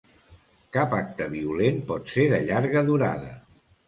Cap acte violent pot ser de llarga durada.